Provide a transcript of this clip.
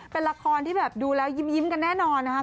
เป็นละครที่แบบดูแล้วยิ้มกันแน่นอนนะครับ